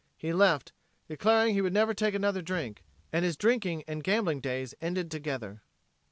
He left, declaring he would never take another drink, and his drinking and gambling days ended together.